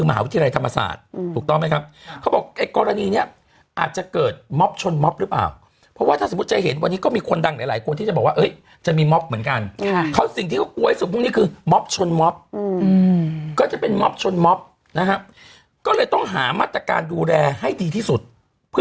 อ้าวดูภาพแม่นะเษขอนมองค่ะวิวเขาบอกเป็นอย่างนี้ดู